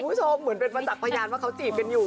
ผู้ชมเหมือนเป็นปันดักพยานว่าเขาจีบกันอยู่